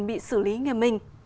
bị xử lý nghiêm minh